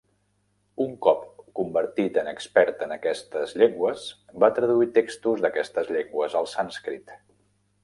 Un cop convertit en expert en aquestes llengües, va traduir textos d'aquestes llengües al sànscrit.